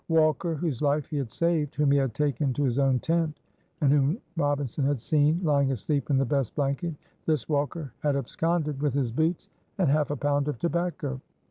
Walker, whose life he had saved, whom he had taken to his own tent, and whom Robinson had seen lying asleep in the best blanket, this Walker had absconded with his boots and half a pound of tobacco.